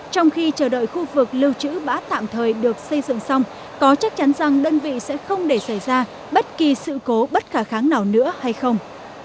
trong khi chờ đợi khu vực lưu trữ bã tạm thời được xây dựng xong có chắc chắn rằng đơn vị sẽ không để xảy ra bất kỳ sự cố bất khả kháng nào nữa hay không